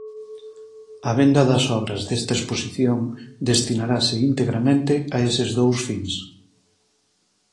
A venda das obras desta exposición destinaranse integramente a eses dous fins.